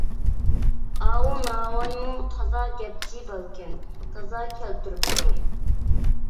ئاۋۇ ناۋايمۇ تازا گەپچى بالىكەن، تازا كەلتۈرۈپتۇ!